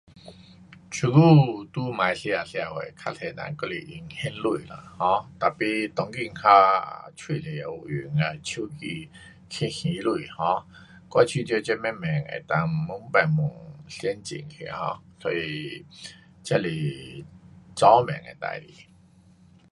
这久在马来西亚社会，较多人还是用现钱啦，um 当今还许多有用那手机去还钱，um 我觉得这慢慢能够越变越先进去 um，所以这是早晚的事情。